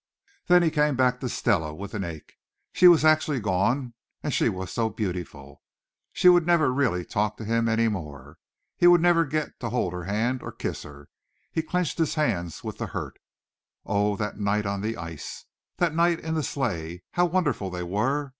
Then he came back to Stella with an ache. She was actually gone, and she was so beautiful. She would never really talk to him any more. He would never get to hold her hand or kiss her. He clenched his hands with the hurt. Oh, that night on the ice; that night in the sleigh! How wonderful they were!